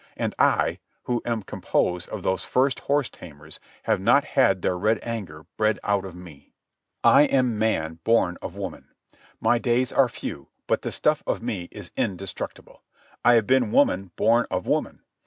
And I, who am composed of those first horse tamers, have not had their red anger bred out of me. I am man born of woman. My days are few, but the stuff of me is indestructible. I have been woman born of woman.